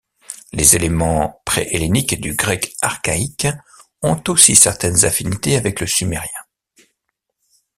Les éléments préhelléniques du grec archaïque ont aussi certaines affinités avec le sumérien.